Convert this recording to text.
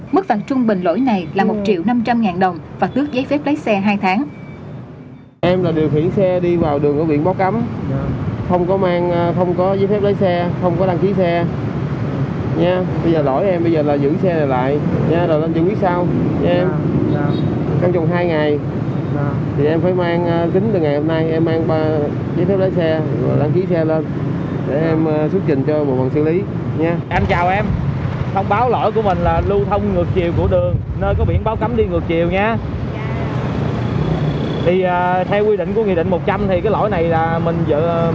mức phạt trung bình lỗi này là một triệu năm trăm linh ngàn đồng và tước giấy phép lấy xe hai tháng